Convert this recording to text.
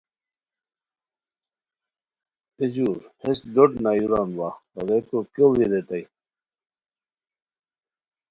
اے ژور ہیس لوٹ نایوران وا ریکو کیڑی ریتائے